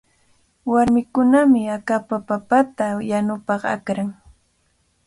Warmikunami akapa papakunata yanunapaq akran.